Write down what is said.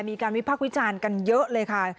มีการวิพักษ์วิจารณ์กันเยอะเลยค่ะ